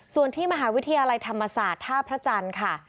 ส่วนที่มหาวิทยาลัยธรรมศาสตร์ท่าพระจันทร์ค่ะ